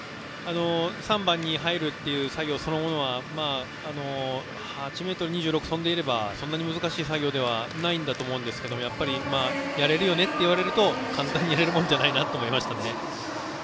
３番に入るという作業そのものは８ｍ２６を跳んでいればそんなに難しい作業ではないと思うんですがやれるよねといわれると簡単にやれるものじゃないなと思いましたね。